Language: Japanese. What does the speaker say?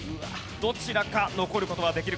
どちらか残る事はできるか？